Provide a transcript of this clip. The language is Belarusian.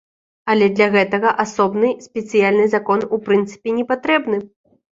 Але для гэтага асобны спецыяльны закон у прынцыпе не патрэбны.